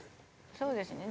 そうですね。